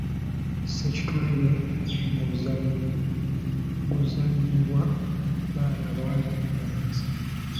Ssekitulege muzannyo guzannyibwa baana abawala n'abalenzi.